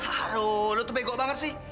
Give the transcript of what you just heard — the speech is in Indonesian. aduh lu tuh bego banget sih